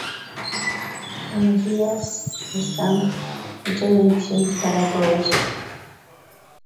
Está diseñada para dispositivos para las escuelas, como la Surface y otras tabletas.